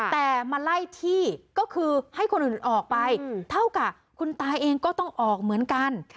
แต่มาไล่ที่ก็คือให้คนอื่นออกไปเท่ากับคุณตาเองก็ต้องออกเหมือนกัน